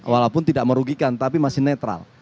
walaupun tidak merugikan tapi masih netral